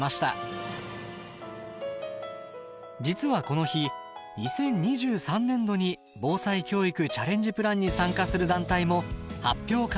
実はこの日２０２３年度に「防災教育チャレンジプラン」に参加する団体も発表会に参加。